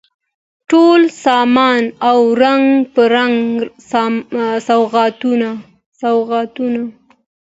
ټول سامان او رنګ په رنګ سوغاتونه